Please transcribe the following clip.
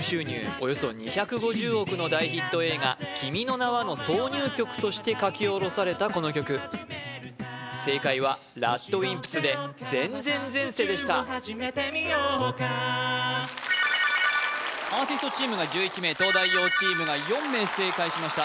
およそ２５０億の大ヒット映画「君の名は。」の挿入曲として書き下ろされたこの曲正解はＲＡＤＷＩＭＰＳで「前前前世」でしたはじめてみようかアーティストチームが１１名東大王チームが４名正解しました